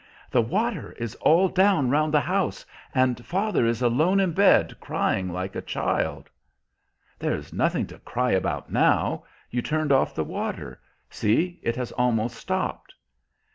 "The water is all down round the house, and father is alone in bed crying like a child." "There's nothing to cry about now. You turned off the water; see, it has almost stopped."